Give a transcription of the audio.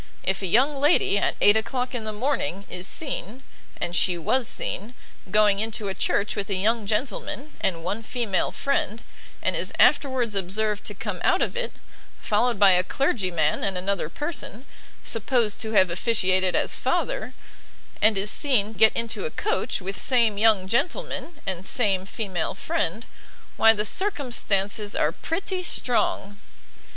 If a young lady at eight o'clock in the morning, is seen, and she was seen, going into a church with a young gentleman, and one female friend; and is afterwards observed to come out of it, followed by a clergyman and another person, supposed to have officiated as father, and is seen get into a coach with same young gentleman, and same female friend, why the circumstances are pretty strong!